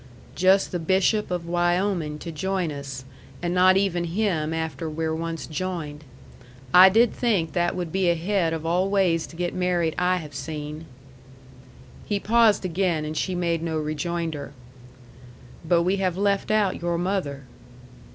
"Just the bishop of Wyoming to join us, and not even him after we're once joined. I did think that would be ahead of all ways to get married I have seen." He paused again, and she made no rejoinder. "But we have left out your mother."